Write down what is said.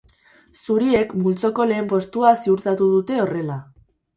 Zuriek multzoko lehen postua ziurtatu dute horrela.